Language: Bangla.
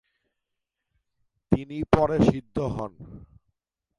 তিনি পরে সিদ্ধ হন।